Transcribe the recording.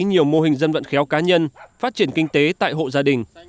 nhiều mô hình dân vận khéo cá nhân phát triển kinh tế tại hộ gia đình